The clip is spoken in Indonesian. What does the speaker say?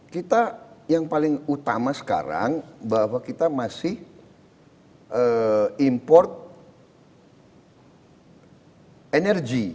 kita yang paling utama sekarang bahwa kita masih import energi